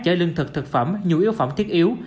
chở lương thực thực phẩm nhu yếu phẩm thiết yếu